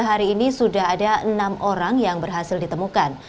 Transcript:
hari ini sudah ada enam orang yang berhasil ditemukan